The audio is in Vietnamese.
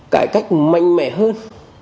cải cách mạnh mẽ hơn